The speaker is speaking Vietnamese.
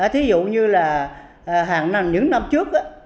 thí dụ như là hàng năm những năm trước